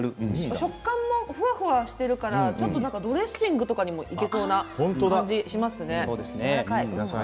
食感もふわふわしてるからドレッシングとかにもいけそうな感じしますね。